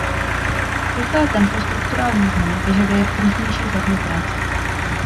Rychlé tempo strukturální změny vyžaduje pružnější formy práce.